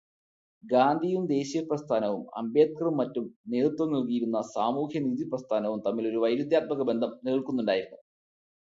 ഗാന്ധിയുടെ ദേശീയപ്രസ്ഥാനവും അംബേദ്കറും മറ്റും നേതൃത്വം നല്കിയിരുന്ന സാമൂഹ്യനീതി പ്രസ്ഥാനവും തമ്മില് ഒരു വൈരുദ്ധ്യാത്മകബന്ധം നിലനില്ക്കുന്നുണ്ടായിരുന്നു.